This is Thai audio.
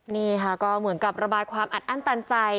นี่ค่ะก็เหมือนกับระบายความอัดอั้นตันใจ